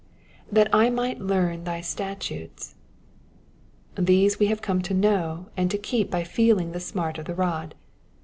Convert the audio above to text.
''''That I might learn thy statute^,'''' These we have come to know and to keep by feeling the smart of the rod.